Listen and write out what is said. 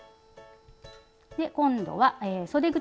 今度はそで口。